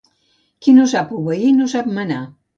Qui no sap obeir no sap manar.